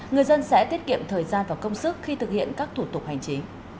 người dân sẽ tiết kiệm thời gian và công sức khi thực hiện các thủ tục hành chính